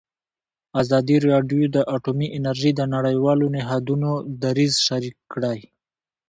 ازادي راډیو د اټومي انرژي د نړیوالو نهادونو دریځ شریک کړی.